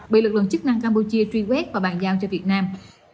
bị lực lượng chức năng campuchia truy quét và bàn giao cho việt nam